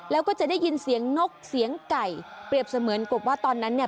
แล้วก็จะได้ยินเสียงนกเสียงไก่เปรียบเสมือนกบว่าตอนนั้นเนี่ย